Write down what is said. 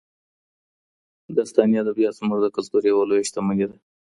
داستاني ادبیات زموږ د کلتور یوه لویه شتمني ده.